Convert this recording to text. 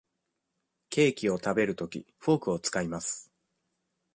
ケーキを食べるとき、フォークを使います。